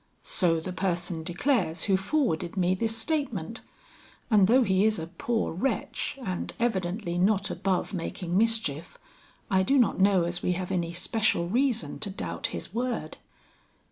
"So the person declares who forwarded me this statement; and though he is a poor wretch and evidently not above making mischief, I do not know as we have any special reason to doubt his word."